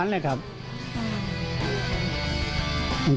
ผมจับเอาไว้